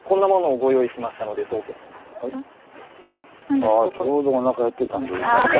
あちょうどおなか減ってたんで今。